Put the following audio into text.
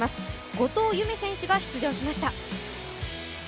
後藤夢選手が出場しました。